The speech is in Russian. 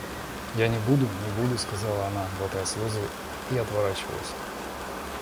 Я не буду, не буду, — сказала она, глотая слезы и отворачиваясь.